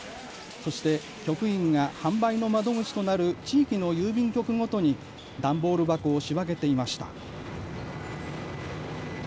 そして局員が販売の窓口となる地域の郵便局ごとに段ボール箱を仕分けていました。